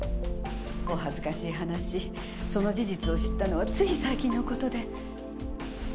お恥ずかしい話その事実を知ったのはつい最近のことで。